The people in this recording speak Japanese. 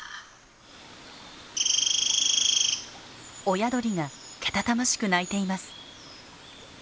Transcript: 親鳥がけたたましく鳴いています。